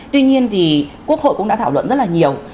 tuy nhiên thì quốc hội cũng đã thảo luận rất là nhiều